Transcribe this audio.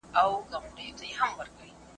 ادې زه وږی یم.